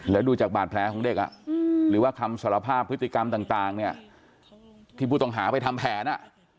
แล้วดูจากบาดแผลของเด็กหรือว่าคำสารภาพพฤติกรรมต่างเนี่ยที่ผู้ต้องหาไปทำแผน